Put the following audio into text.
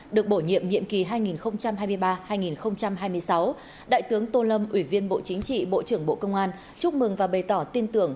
được bổ nhiệm nhiệm kỳ hai nghìn hai mươi ba hai nghìn hai mươi sáu đại tướng tô lâm ủy viên bộ chính trị bộ trưởng bộ công an chúc mừng và bày tỏ tin tưởng